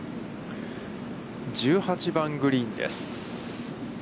１８番グリーンです。